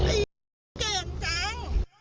ไอ้เก่งจัง